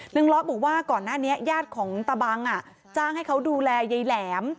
เลาะบอกว่าก่อนหน้านี้ญาติของตะบังจ้างให้เขาดูแลยายแหลม